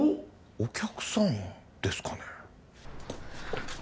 お客さんですかね